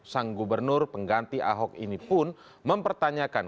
sang gubernur pengganti ahok ini pun mempertanyakan